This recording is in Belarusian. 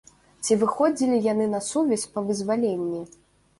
Ці выходзілі яны на сувязь па вызваленні?